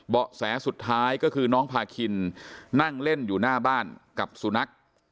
แสสุดท้ายก็คือน้องพาคินนั่งเล่นอยู่หน้าบ้านกับสุนัข